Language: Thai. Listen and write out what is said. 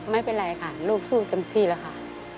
ไม่เป็นไรค่ะลูกสู้เต็มที่แล้วค่ะ